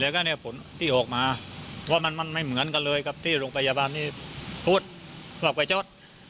แล้วก็เนี่ยผลที่ออกมาก็มันไม่เหมือนกันเลยกับที่โรงพยาบาลพูดกับไฟช็อต